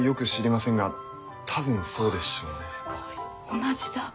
同じだ。